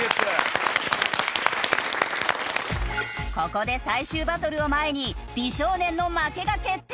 ここで最終バトルを前に美少年の負けが決定。